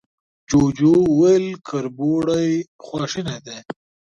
جوجو وويل، کربوړی خواشينی دی.